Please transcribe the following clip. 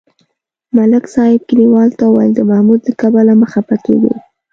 ملک صاحب کلیوالو ته ویل: د محمود له کبله مه خپه کېږئ.